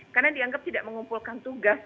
karena dianggap tidak mengumpulkan tugas